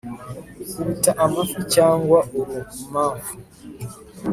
kuruta amafi cyangwa urumamfu